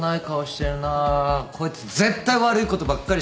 こいつ絶対悪いことばっかりしてますよ。